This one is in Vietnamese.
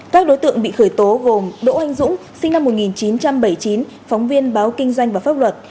các đối tượng bị khởi tố gồm đỗ anh dũng sinh năm một nghìn chín trăm bảy mươi chín phóng viên báo kinh doanh và pháp luật